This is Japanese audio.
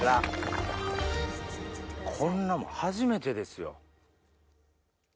こんなもん初めてですよ。